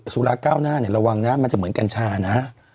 สุลาสักกาลหน้าระวังอ่ะมันจะเหมือนการชาน่ะ